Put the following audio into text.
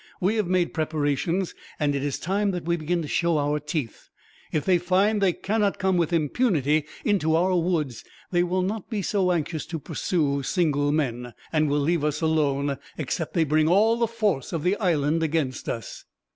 "We have made preparations, and it is time that we began to show our teeth. If they find that they cannot come with impunity into our woods, they will not be so anxious to pursue single men; and will leave us alone, except they bring all the force of the island against us."